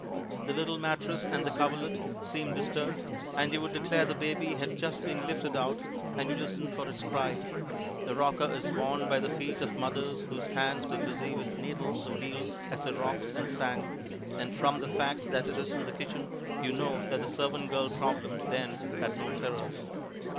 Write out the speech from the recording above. The little mattress and the coverlet seem disturbed, and you would declare the baby had just been lifted out, and you listen for its cry. The rocker is worn by the feet of mothers whose hands were busy with needles or wheel as they rocked and sang. And from the fact that it is in the kitchen, you know that the servant girl problem then had no terrors.